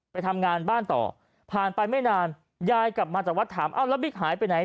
ไปทำงานบ้านต่อผ่านไปไม่นานยายกลับมาจากวัดถามเอ้าแล้วบิ๊กหายไปไหน